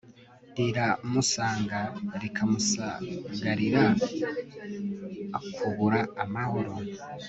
riramusanga rikamusagarira akubura amahoro